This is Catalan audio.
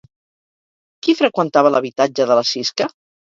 Qui freqüentava l'habitatge de la Sisca?